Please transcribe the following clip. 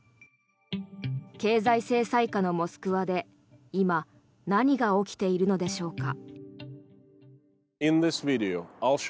経済制裁下のモスクワで今、何が起きているのでしょうか。